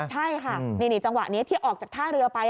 ใช่ค่ะนี่จังหวะนี้ที่ออกจากท่าเรือไป